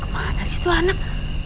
mana sih tuh anak